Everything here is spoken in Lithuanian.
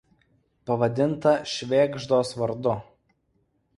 Pavadinta Švėgždos vardu.